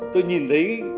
tôi nhìn thấy